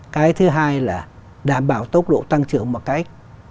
cái thứ hai là đảm bảo tốc độ tăng trưởng một cách